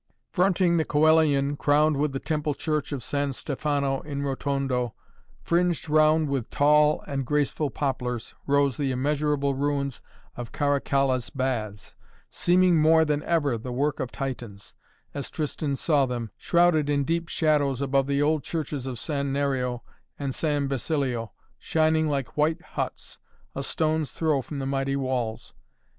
Fronting the Coelian, crowned with the temple church of San Stefano in Rotondo, fringed round with tall and graceful poplars, rose the immeasurable ruins of Caracalla's Baths, seeming more than ever the work of titans, as Tristan saw them, shrouded in deep shadows above the old churches of San Nereo and San Basilio, shining like white huts, a stone's throw from the mighty walls.